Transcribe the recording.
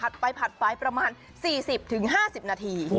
ไปผัดไปประมาณ๔๐๕๐นาที